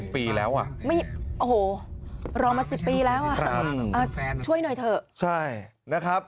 ปีแล้วอ่ะโอ้โหรอมา๑๐ปีแล้วช่วยหน่อยเถอะใช่นะครับ